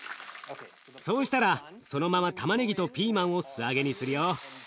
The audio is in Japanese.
そうしたらそのままたまねぎとピーマンを素揚げにするよ。